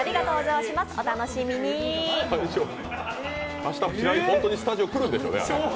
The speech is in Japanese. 明日本当にスタジオ来るんでしょうね。